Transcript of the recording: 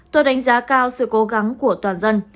tôi đánh giá cao sự cố gắng của toàn dân